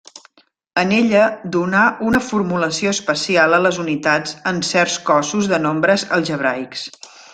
En elles, donà una formulació especial a les unitats en certs cossos de nombres algebraics.